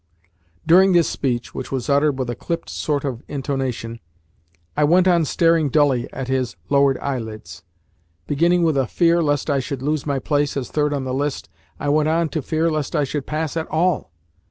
During this speech (which was uttered with a clipped sort of intonation) I went on staring dully at his lowered eyelids. Beginning with a fear lest I should lose my place as third on the list, I went on to fear lest I should pass at all.